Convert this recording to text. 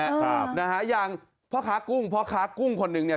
ครับนะฮะอย่างพ่อค้ากุ้งพ่อค้ากุ้งคนหนึ่งเนี่ย